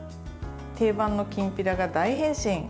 定番のきんぴらが大変身。